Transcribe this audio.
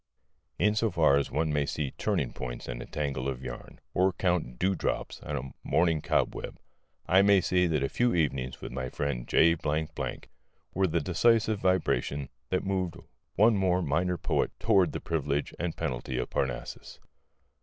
In so far as one may see turning points in a tangle of yarn, or count dewdrops on a morning cobweb, I may say that a few evenings with my friend J were the decisive vibration that moved one more minor poet toward the privilege and penalty of Parnassus.